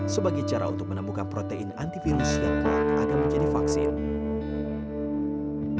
sebagai cara untuk menemukan protein antivirus yang telah ada menjadi vaksin